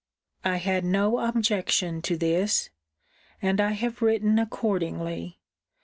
I had no objection to this: and I have written accordingly.